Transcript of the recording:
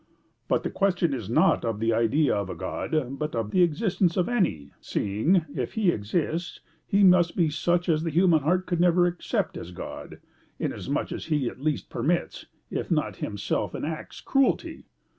"But the question is not of the idea of a God, but of the existence of any, seeing, if he exists, he must be such as the human heart could never accept as God, inasmuch as he at least permits, if not himself enacts cruelty.